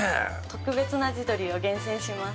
特別な地鶏を厳選しました。